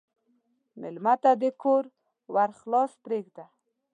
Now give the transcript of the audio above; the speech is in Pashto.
مېلمه ته د کور ور خلاص پرېږده.